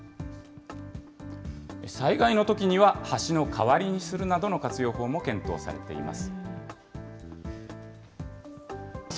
災害のときには、橋の代わりにするなどの活用法も検討されています。